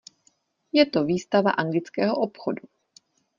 Je to výstava anglického obchodu.